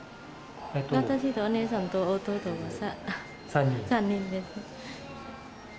私とお姉さんと弟、３人です。